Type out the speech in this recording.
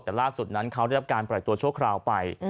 แต่ล่าสุดนั้นเขาได้รับการปล่อยตัวชั่วคราวไป